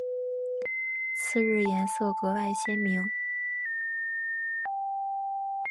次日颜色格外鲜明。